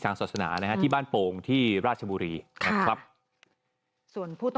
ไม่รู้